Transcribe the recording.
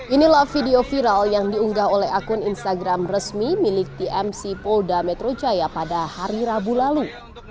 inilah video viral yang diunggah oleh akun instagram resmi milik tmc polda metro jaya pada hari rabu lalu